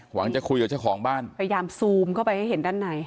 หวังจะคุยกับเจ้าของบ้านพยายามซูมเข้าไปให้เห็นด้านใน